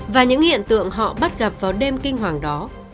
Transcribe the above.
và những hiện tượng họ bắt gặp vào đêm kinh hoàng đó